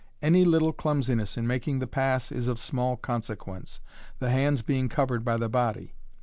Any little clumsi ness in making the pass is of small consequence, the hands being covered by the body.